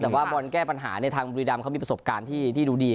แต่ว่าบอลแก้ปัญหาทางบุรีรำเขามีประสบการณ์ที่ดูดี